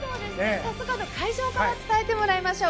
早速会場から伝えてもらいましょう。